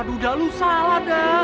aduh dah lu salah dah